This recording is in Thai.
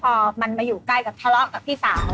พอมันมาอยู่ใกล้กับทะเลาะกับพี่สาว